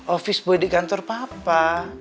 office boy di kantor papa